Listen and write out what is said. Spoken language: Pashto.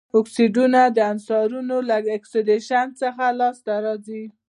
اکسایډونه د عنصرونو له اکسیدیشن څخه لاسته راځي.